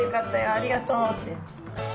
ありがとう」って。